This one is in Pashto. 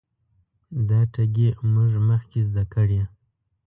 دا ټګي موږ مخکې زده کړې.